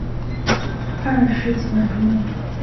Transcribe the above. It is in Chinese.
二十几万不用了